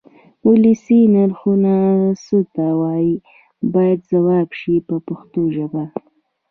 ولسي نرخونه څه ته وایي باید ځواب شي په پښتو ژبه.